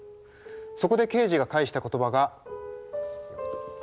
そこでケージが返した言葉が。